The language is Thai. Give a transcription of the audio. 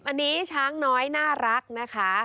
อันนี้ช้างน้อยน่ารักนะคะ